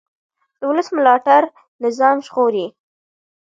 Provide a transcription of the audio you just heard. د ولس ملاتړ نظام ژغوري